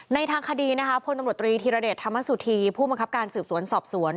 ทางคดีนะคะพลตำรวจตรีธีรเดชธรรมสุธีผู้บังคับการสืบสวนสอบสวน